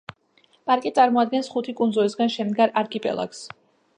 პარკი წარმოადგენს ხუთი კუნძულისაგან შემდგარ არქიპელაგს.